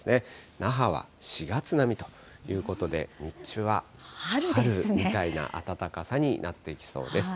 那覇は４月並みということで、日中は春みたいな暖かさになってきそうです。